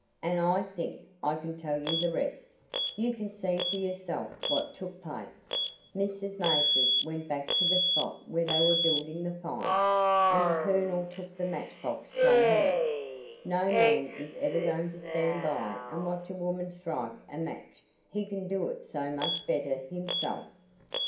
"And I think I can tell you the rest. You can see for yourself what took place. Mrs. Mathers went back to the spot where they were building the fire, and the Colonel took the match box from her. No man is ever going to stand by and watch a woman strike a match he can do it so much better himself.